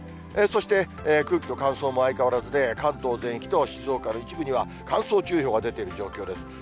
そして空気の乾燥も相変わらずで、関東全域と静岡の一部には乾燥注意報が出ている状況です。